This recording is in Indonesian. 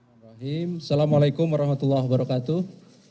assalamu'alaikum warahmatullahi wabarakatuh